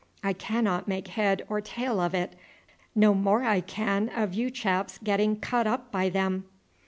I cannot make head or tail of it; no more I can of you chaps getting cut up by them."